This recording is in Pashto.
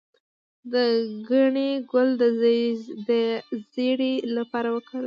د ګنی ګل د زیړي لپاره وکاروئ